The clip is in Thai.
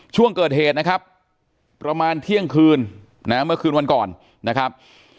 ช่วงเกิดเหตุนะครับประมาณเที่ยงคืนนะเมื่อคืนวันก่อนนะครับ